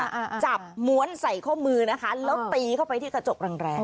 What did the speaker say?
อ่าจับม้วนใส่ข้อมือนะคะแล้วตีเข้าไปที่กระจกแรงแรง